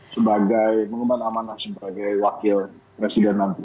sebagai mengemban amanah sebagai wakil presiden nanti